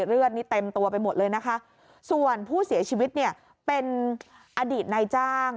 เลือดเต็มตัวไปหมดเลยนะคะส่วนผู้เสียชีวิตเป็นอดีตในจ้าง